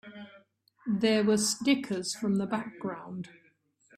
There were snickers from the background.